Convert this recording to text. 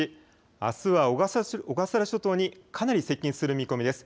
あすは小笠原諸島にかなり接近する見込みです。